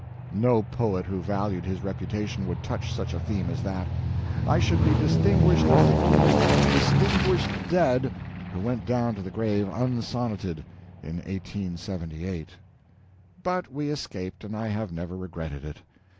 No poet who valued his reputation would touch such a theme as that. I should be distinguished as the only "distinguished dead" who went down to the grave unsonneted, in 1878. But we escaped, and I have never regretted it.